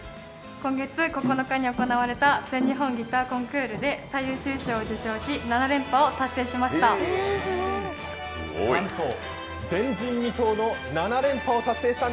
今月９日に行われた全日本ギターコンクールで最優秀賞を受賞し７連覇を達成しました。